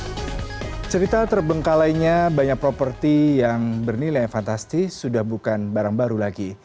cerita terbengkalainya banyak properti yang bernilai fantastis sudah bukan barang baru lagi